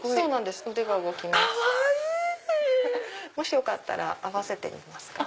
よかったら合わせてみますか？